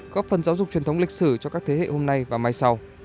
góp phần giáo dục truyền thống lịch sử cho các thế hệ hôm nay và mai sau